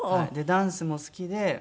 ダンスも好きで。